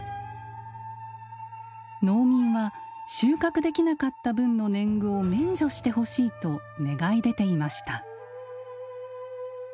農民は収穫できなかった分の年貢を免除してほしいと願い出ていました。